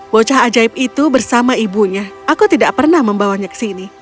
bocah ajaib itu bersama ibunya aku tidak pernah membawanya ke sini